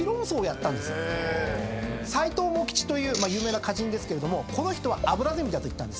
斎藤茂吉という有名な歌人ですけどもこの人はアブラゼミだと言ったんです。